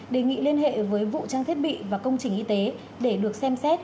đề nghị liên hệ với vụ trang thiết bị và công trình y tế để được xem xét